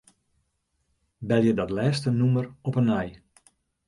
Belje dat lêste nûmer op 'e nij.